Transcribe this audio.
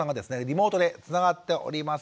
リモートでつながっております。